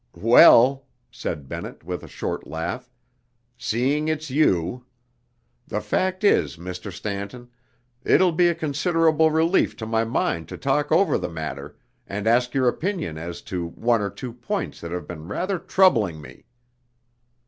"Well," said Bennett, with a short laugh, "seeing it's you! The fact is, Mr. Stanton, it'll be a considerable relief to my mind to talk over the matter, and ask your opinion as to one or two points that have been rather troubling me."